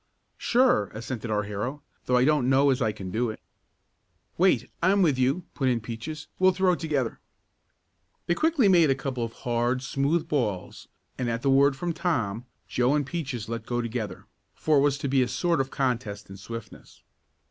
"Sure," assented our hero, "though I don't know as I can do it." "Wait, I'm with you," put in Peaches. "We'll throw together." They quickly made a couple of hard, smooth balls, and at the word from Tom, Joe and Peaches let go together, for it was to be a sort of contest in swiftness.